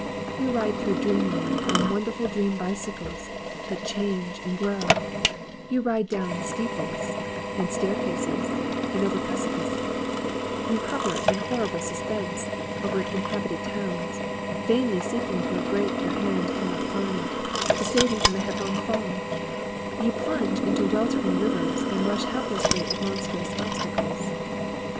You ride through Dreamland on wonderful dream bicycles that change and grow; you ride down steeples and staircases and over precipices; you hover in horrible suspense over inhabited towns, vainly seeking for a brake your hand cannot find, to save you from a headlong fall; you plunge into weltering rivers, and rush helplessly at monstrous obstacles.